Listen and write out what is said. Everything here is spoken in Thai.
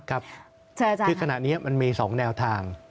คือขณะนี้มันมี๒แนวทาง